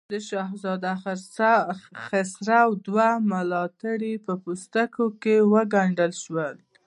د شهزاده خسرو دوه ملاتړي په پوستکو کې وګنډل شول.